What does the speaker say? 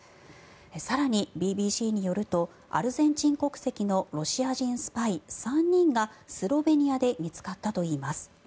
更に、ＢＢＣによるとアルゼンチン国籍のロシア人スパイ３人がスロベニアで見つかったといいます。